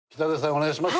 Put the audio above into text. お願いします。